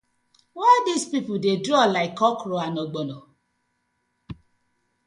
Why dis pipu dey draw like okra and ogbono.